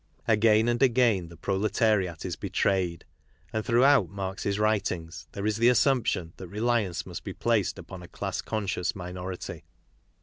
Again' and again the proletariat is betrayed ; and throughouF Marx's writings there is the assumption that reliance must be placed upon a class conscious minority.